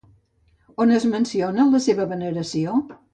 On es menciona la seva veneració?